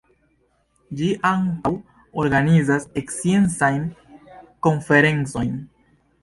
Ĝi ankaŭ organizas sciencajn konferencojn.